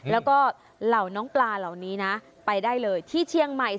แล้วก็เหล่าน้องปลาเหล่านี้นะไปได้เลยที่เชียงใหม่